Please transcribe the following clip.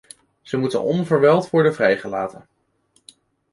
Ze moeten onverwijld worden vrijgelaten.